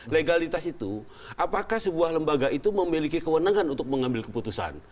legalitas itu apakah sebuah lembaga itu memiliki kewenangan untuk mengambil keputusan